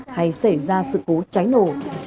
hay xảy ra sự cố cháy nổ